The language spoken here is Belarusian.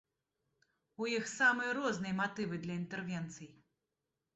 У іх самыя розныя матывы для інтэрвенцый.